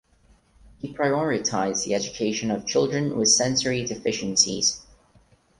He prioritized the education of children with sensory deficiencies.